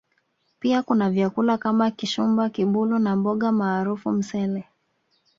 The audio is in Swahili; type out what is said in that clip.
Pia kuna vyakula kama Kishumba Kibulu na mboga maarufu Msele